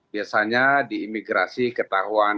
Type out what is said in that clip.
biasanya di imigrasi ketahuan